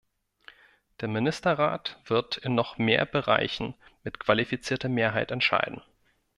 Der Ministerrat wird in noch mehr Bereichen mit qualifizierter Mehrheit entscheiden.